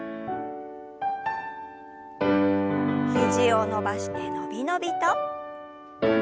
肘を伸ばして伸び伸びと。